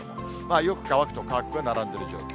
よく乾くと乾くが並んでる状況。